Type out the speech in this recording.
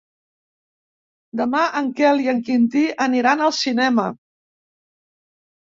Demà en Quel i en Quintí aniran al cinema.